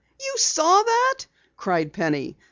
"You saw that?" cried Penny.